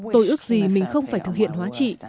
tôi ước gì mình không phải thực hiện hóa trị